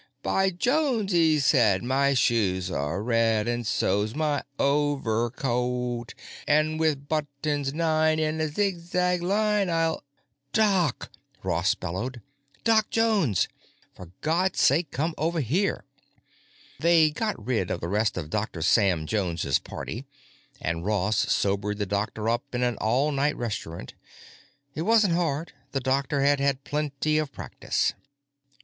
'By Jones,' he said, 'my shoes are red, and so's my overcoat, And with buttons nine in a zigzag line, I'll——'" "Doc!" Ross bellowed. "Doc Jones! For God's sake, come over here!" They got rid of the rest of Doctor Sam Jones's party, and Ross sobered the doctor up in an all night restaurant. It wasn't hard; the doctor had had plenty of practice.